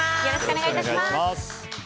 よろしくお願いします。